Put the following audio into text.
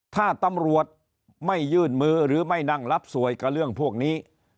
ถ้าตำรวจไม่ยื่นมือหรือไม่นั่งรับสวยกับเรื่องพวกนี้